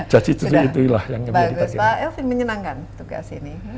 bagus pak elvin menyenangkan tugas ini